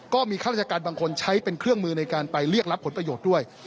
ข้าราชการบางคนใช้เป็นเครื่องมือในการไปเรียกรับผลประโยชน์ด้วย